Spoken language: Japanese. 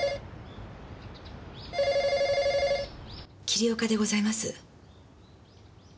桐岡でございます。